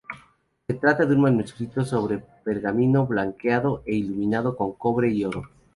Se trata de un manuscrito sobre pergamino blanqueado e iluminado con cobre y oro.